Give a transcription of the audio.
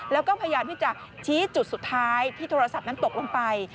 แล้วก็พยายามที่จะชี้จุดสุดท้ายที่โทรศัพท์นั้นตกลงไป